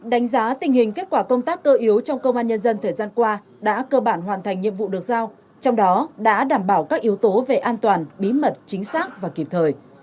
đánh giá tình hình kết quả công tác cơ yếu trong công an nhân dân thời gian qua đã cơ bản hoàn thành nhiệm vụ được giao trong đó đã đảm bảo các yếu tố về an toàn bí mật chính xác và kịp thời